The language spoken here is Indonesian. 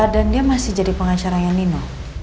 dan dia masih jadi pengacaranya nino